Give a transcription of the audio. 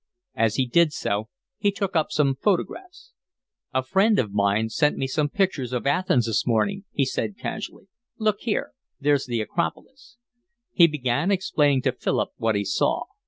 As he did so he took up some photographs. "A friend of mine sent me some pictures of Athens this morning," he said casually. "Look here, there's the Akropolis." He began explaining to Philip what he saw.